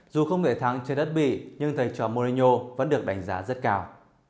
dù không thể thắng trên đất bị nhưng thầy trò mourinho vẫn được đánh giá rất cao